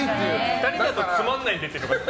２人だと、つまんないのでって。